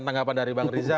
tanggapan dari bang riza